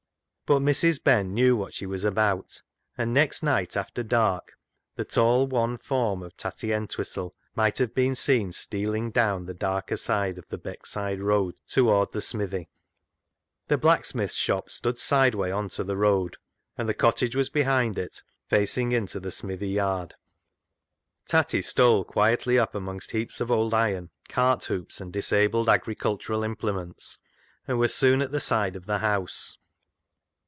But Mrs. Ben knew what she was about, and next night after dark, the tall, wan form of Tatty Entwistle might have been seen stealing down the darker side of the Beckside road toward the smithy. The blacksmith's shop stood sideway on to the road, and the cottage was behind it, facing into the smithy yard, Tatty stole quietly up amongst heaps of old iron, cart hoops, and disabled agricultural implements, and was soon TATTY ENTWISTLE'S RETURN 119 at the side of the house.